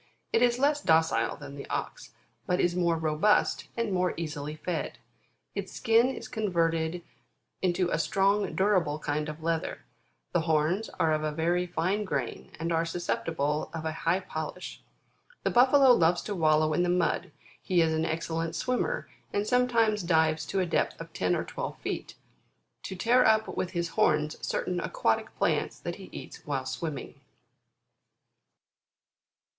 It is less docile than the Ox, but is more robust, and more easily fed. Its skin is converted into a strong, dura ble kind of leather ; the horns are of a very fine grain, and are susceptible of a high polish. The Buffalo loves to wallow in the mud ; he is an excellent swimmer, and sometimes dives to a depth of ten or twelve feet, to tear up with his horns certain aquatic plants that he eats while swimming.